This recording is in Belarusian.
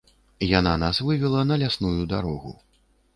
Яна нас вывела на лясную дарогу.